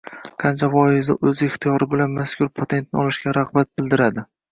qancha foizi o‘z ixtiyori bilan mazkur patentni olishga rag‘bat bildiradi?